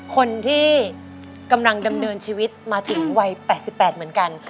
คนที่กำลังดำเนินชีวิตมาถึงวัย๘๘เหมือนกัน